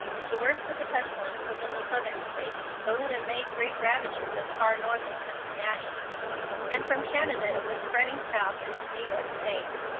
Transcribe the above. The worst of the pestilence was in the Southern States, though it had made great ravages as far north as Cincinnati. And from Canada it was spreading south into New York State.